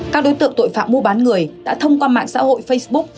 các đối tượng tội phạm mua bán người đã thông qua mạng xã hội facebook